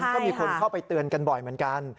ก็มีคนเข้าไปเตือนกันบ่อยเหมือนกัน